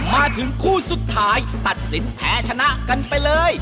มาถึงคู่สุดท้ายตัดสินแพ้ชนะกันไปเลย